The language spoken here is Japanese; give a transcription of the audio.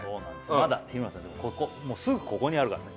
ただ日村さんここもうすぐここにあるからね